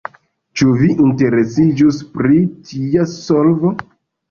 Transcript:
Ĉu vi interesiĝus pri tia solvo?